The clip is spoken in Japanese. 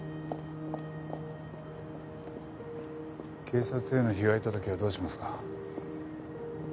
警察への被害届はどうしますか？